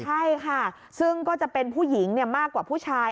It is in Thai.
ใช่ค่ะซึ่งก็จะเป็นผู้หญิงมากกว่าผู้ชาย